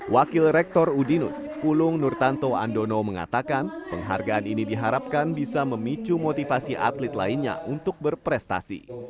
wakil rektor udinus pulung nurtanto andono mengatakan penghargaan ini diharapkan bisa memicu motivasi atlet lainnya untuk berprestasi